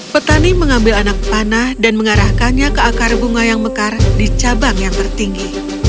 petani mengambil anak panah dan mengarahkannya ke akar bunga yang mekar di cabang yang tertinggi